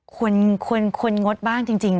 ควรงดบ้างจริง